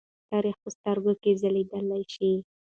تاریخ په سترګو کې ځليدلی شي.